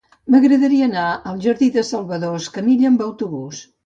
M'agradaria anar al jardí de Salvador Escamilla amb autobús.